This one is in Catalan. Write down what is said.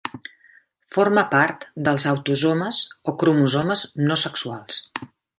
Forma part dels autosomes o cromosomes no sexuals.